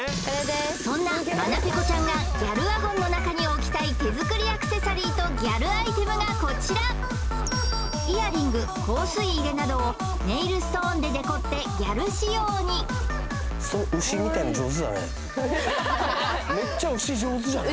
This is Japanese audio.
そんなまなぺこちゃんがギャルワゴンの中に置きたい手作りアクセサリーとギャルアイテムがこちらイヤリング香水入れなどをネイルストーンでデコってギャル仕様にめっちゃ牛上手じゃない？